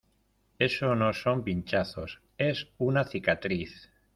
eso no son pinchazos, es una cicatriz